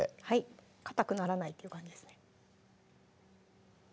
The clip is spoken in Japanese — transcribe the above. かたくならないっていう感じですね